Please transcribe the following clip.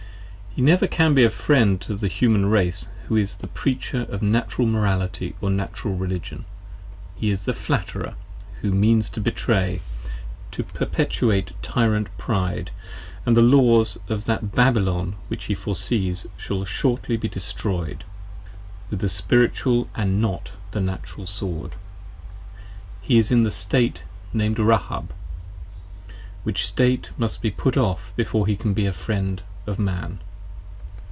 HE never can be a Friend to the Human Race who is the Preacher of Natural Morality or Natural Religion, he is a flatterer who means to betray, to perpetuate Tyrant Pride & the Laws of that Babylon which he foresees shall shortly be destroyed, with the Spiritual and not the Natural Sword : He 5 is in the State named Rahab: which State must be put off before he can be the Friend of Man.